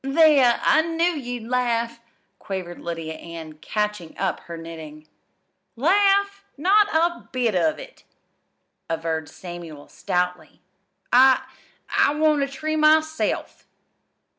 "There, I knew you'd laugh," quavered Lydia Ann, catching up her knitting. "Laugh? Not a bit of it!" averred Samuel stoutly. "I I want a tree myself!"